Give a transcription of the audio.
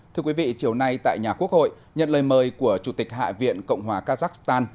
thưa quý vị chiều nay tại nhà quốc hội nhận lời mời của chủ tịch hạ viện cộng hòa kazakhstan